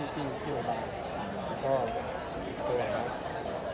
ด้วยที่ที่ว่าพอภาษา